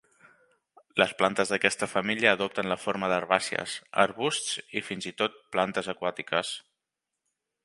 Les plantes d'aquesta família adopten la forma d'herbàcies, arbusts i fins i tot plantes aquàtiques.